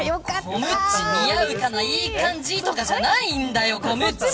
コムッチ似合うかないい感じとかじゃないんだよ。